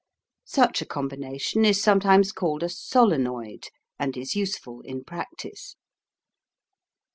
Such a combination is sometimes called a solenoid, and is useful in practice.